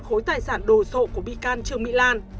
khối tài sản đồ sộ của bị can trương mỹ lan